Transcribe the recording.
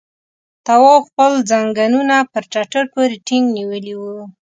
تواب خپل ځنګنونه پر ټټر پورې ټينګ نيولي وو.